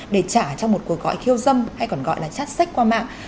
để trả cho một cuộc gọi khiêu dâm hay còn gọi là chát sách qua mạng